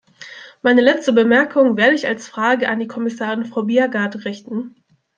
Meine letzte Bemerkung werde ich als Frage an die Kommissarin Frau Bjerregaard richten.